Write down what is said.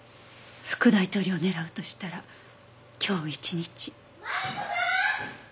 副大統領を狙うとしたら今日一日。